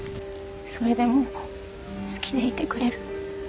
それでも好きでいてくれる？